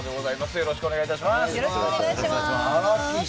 よろしくお願いします。